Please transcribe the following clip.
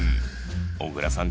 小倉さん